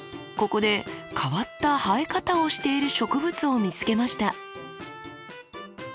ここで変わった生え方をしている植物を見つけました。